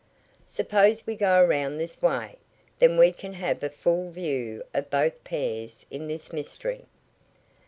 Suppose we go around this way? Then we can have a full view of both pairs in this mystery."